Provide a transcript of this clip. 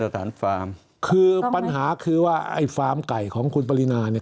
สถานฟาร์มคือปัญหาคือว่าไอ้ฟาร์มไก่ของคุณปรินาเนี่ย